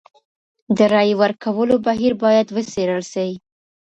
د رايې ورکولو بهير بايد وڅېړل سي.